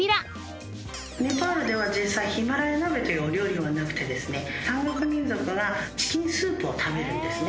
ネパールでは実際ヒマラヤ鍋というお料理はなくて山岳民族がチキンスープを食べるんですね。